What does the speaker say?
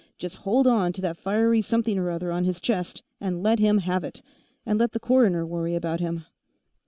Just hold on to that fiery something or other on his chest and let him have it, and let the coroner worry about him."